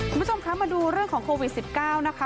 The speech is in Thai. คุณผู้ชมคะมาดูเรื่องของโควิด๑๙นะคะ